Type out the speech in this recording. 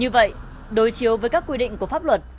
như vậy đối chiếu với các quy định của pháp luật